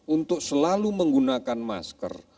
untuk selalu menggunakan masker